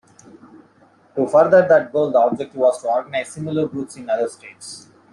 To further that goal, the objective was to organize similar groups in other states.